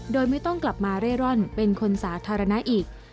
โดยไม่ต้องกลับมาเร่ร่อนเป็นคนสาธารณะอีก